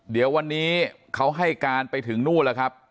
เดี๋ยววันนี้เขาให้การไปถึงนู่นแล้วครับ